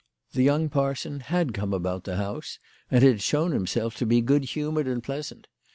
The young parson had come about the house, and had shown himself to be good humoured and pleasant.